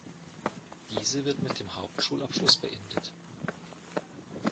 Diese wird mit dem Hauptschulabschluss beendet.